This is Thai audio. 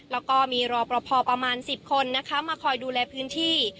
แล้วก็มีรอปภประมาณ๑๐คนนะคะมาคอยดูแลพื้นที่